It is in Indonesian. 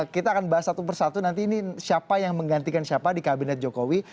kita akan bahas satu persatu nanti ini siapa yang menggantikan siapa di kabinet jokowi